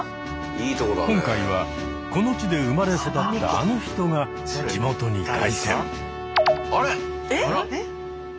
今回はこの地で生まれ育ったあの人が地元に凱旋。